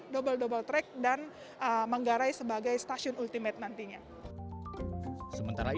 double double track dan manggarai sebagai stasiun ultimate nantinya